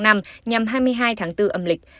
nhằm hai mươi hai tháng bốn âm lịch